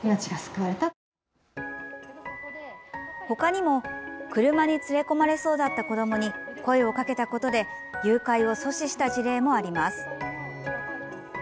ほかにも、車に連れ込まれそうだった子どもに声をかけたことで誘拐を阻止した事例もあります。